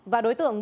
và đối tượng